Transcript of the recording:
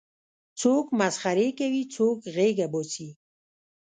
څوک مسخرې کوي څوک غېږه باسي.